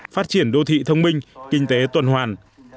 phát triển đô thị thông minh kinh tế tuần hoàn